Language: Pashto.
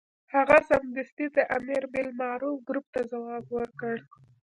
هغه سمدستي د امر بالمعروف ګروپ ته ځواب ورکړ.